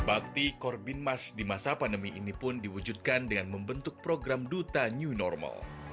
bakti korbinmas di masa pandemi ini pun diwujudkan dengan membentuk program duta new normal